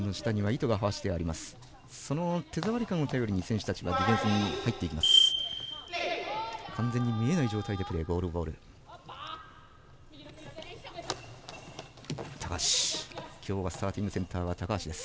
その手触り感を頼りに選手たちはディフェンスに入っていきます。